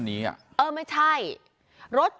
แซ็คเอ้ยเป็นยังไงไม่รอดแน่